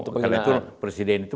karena itu presiden itu